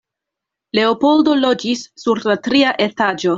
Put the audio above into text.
Leopoldo loĝis sur la tria etaĝo.